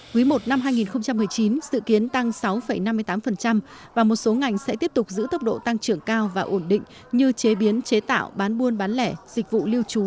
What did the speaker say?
quý i năm hai nghìn một mươi chín dự kiến tăng sáu năm mươi tám và một số ngành sẽ tiếp tục giữ tốc độ tăng trưởng cao và ổn định như chế biến chế tạo bán buôn bán lẻ dịch vụ lưu trú